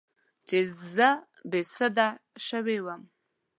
چې زه بې سده شوې وم.